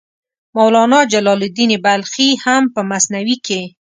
مولانا جلال الدین بلخي هم په مثنوي کې.